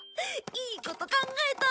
いいこと考えた！